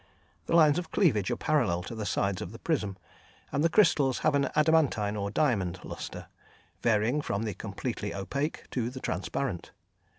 The lines of cleavage are parallel to the sides of the prism, and the crystals have an adamantine, or diamond lustre, varying from the completely opaque to the transparent.